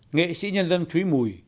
nghệ sĩ nhân dân thúy mùi